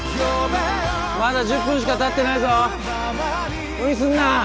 まだ１０分しかたってないぞ。